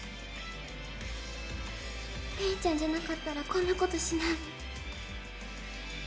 玲ちゃんじゃなかったらこんなことしない。